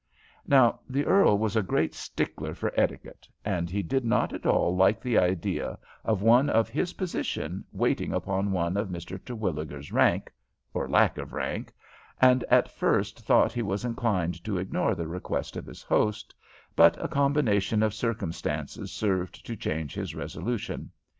Now the earl was a great stickler for etiquette, and he did not at all like the idea of one in his position waiting upon one of Mr. Terwilliger's rank, or lack of rank, and, at first thought, he was inclined to ignore the request of his host, but a combination of circumstances served to change his resolution.